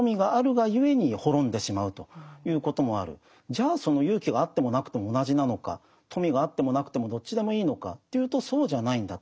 じゃあその勇気があってもなくても同じなのか富があってもなくてもどっちでもいいのかというとそうじゃないんだと。